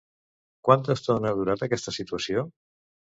Quanta estona ha durat aquesta situació?